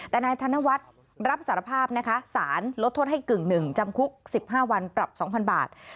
แต่นายธนวัฒน์รับสารภาพนะคะสารลดโทษให้กึ่งหนึ่งจำคุก๑๕วันปรับ๒๐๐บาท